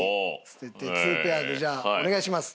捨てて２ペアでじゃあお願いします。